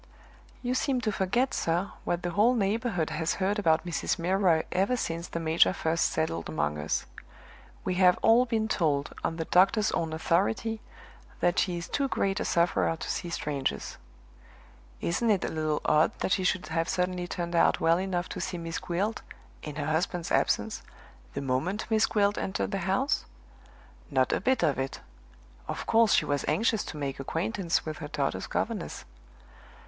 "You seem to forget, sir, what the whole neighborhood has heard about Mrs. Milroy ever since the major first settled among us. We have all been told, on the doctor's own authority, that she is too great a sufferer to see strangers. Isn't it a little odd that she should have suddenly turned out well enough to see Miss Gwilt (in her husband's absence) the moment Miss Gwilt entered the house?" "Not a bit of it! Of course she was anxious to make acquaintance with her daughter's governess."